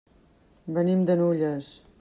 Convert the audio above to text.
Venim de Nulles.